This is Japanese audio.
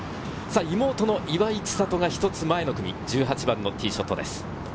妹の岩井千怜が１つ前の組、１８番のティーショットです。